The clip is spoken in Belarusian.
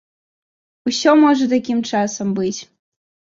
Усё можа такім часам быць.